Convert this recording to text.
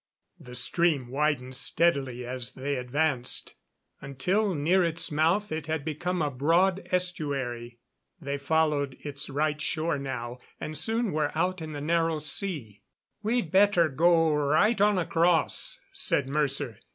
The stream widened steadily as they advanced, until near, its mouth it had become a broad estuary. They followed its right shore now and soon were out in the Narrow Sea. "We'd better go right on across," said Mercer.